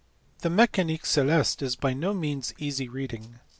The Mecanique celeste is by no means easy reading.